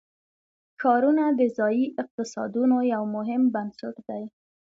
ښارونه د ځایي اقتصادونو یو مهم بنسټ دی.